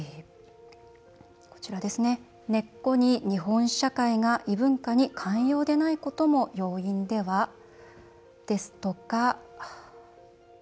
根っこに日本社会が異文化に寛容でないことも要因では？ですとか。